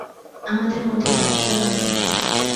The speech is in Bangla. আমাদের মধ্যে ডাক্তার নেই।